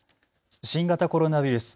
新型コロナウイルス。